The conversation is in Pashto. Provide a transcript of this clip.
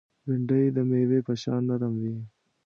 بېنډۍ د مېوې په شان نرم وي